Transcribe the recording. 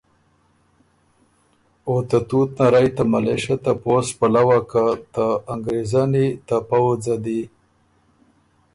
او ته تُوت نرئ ته ملېشۀ ته پوسټ پلؤه که ته انګرېزنی ته پؤځه دی